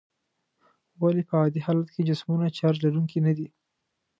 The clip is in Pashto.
ولې په عادي حالت کې جسمونه چارج لرونکي ندي؟